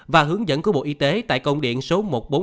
và hướng dẫn của bộ y tế tại công điện số một nghìn bốn trăm linh chín